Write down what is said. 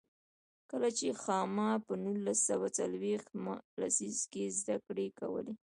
کله چې خاما په نولس سوه څلوېښت مه لسیزه کې زده کړې کولې.